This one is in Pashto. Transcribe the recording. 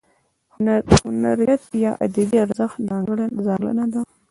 هنریت یا ادبي ارزښت ځانګړنه ده.